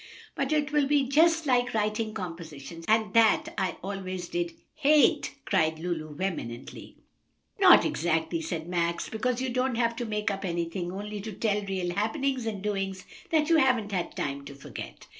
"But it will be just like writing compositions; and that I always did hate!" cried Lulu vehemently. "No, not exactly," said Max; "because you don't have to make up anything, only to tell real happenings and doings that you haven't had time to forget."